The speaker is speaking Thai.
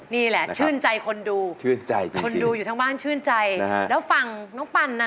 นี่แหละชื่นใจคนดูคนดูอยู่ทั้งบ้านชื่นใจแล้วฟังน้องปันนะ